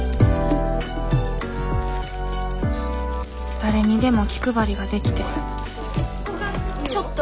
誰にでも気配りができてちょっと。